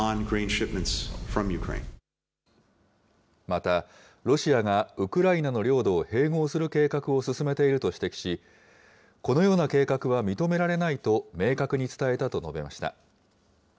また、ロシアがウクライナの領土を併合する計画を進めていると指摘し、このような計画は認められないと明確に伝えたと述べました。